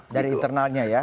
dari internalnya ya